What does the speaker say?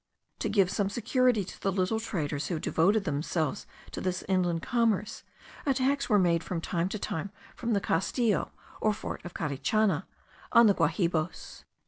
To give some security to the little traders who devoted themselves to this inland commerce, attacks were made from time to time from the castillo or fort of Carichana, on the Guahibos.